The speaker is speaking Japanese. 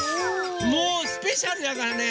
もうスペシャルだからね